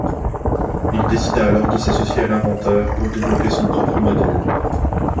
Il décida alors de s'associer à l'inventeur pour développer son propre modèle.